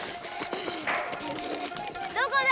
どこだ？